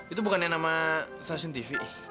itu bukannya nama stasiun tv